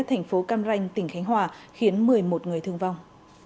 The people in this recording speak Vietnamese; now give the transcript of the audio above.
thành phố cam ranh tỉnh khánh hòa khiến một mươi một người thương vong